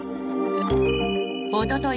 おととい